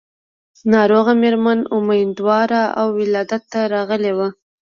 ناروغه مېرمنه اميدواره وه او ولادت ته راغلې وه.